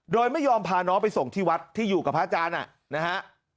โดยไม่ยอมพาน้องไปส่งที่วัดที่อยู่กับพระอาจารย์นะฮะ